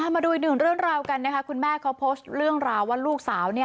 มาดูอีกหนึ่งเรื่องราวกันนะคะคุณแม่เขาโพสต์เรื่องราวว่าลูกสาว